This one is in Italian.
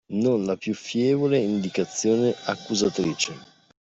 Non la più fievole indicazione accusatrice!